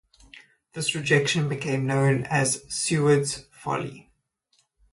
This rejection became known as "Seward's folly".